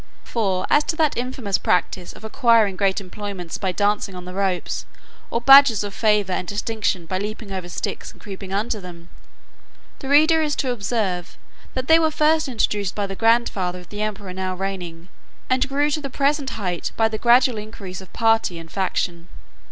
For, as to that infamous practice of acquiring great employments by dancing on the ropes, or badges of favour and distinction by leaping over sticks and creeping under them, the reader is to observe, that they were first introduced by the grandfather of the emperor now reigning, and grew to the present height by the gradual increase of party and faction.